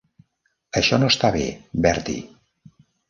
Això no està bé, Bertie.